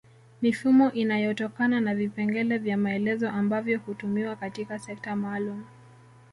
Mifumo inayotokana na vipengele vya maelezo ambavyo hutumiwa katika sekta maalum